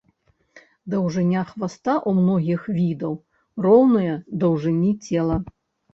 Даўжыня хваста ў многіх відаў роўная даўжыні цела.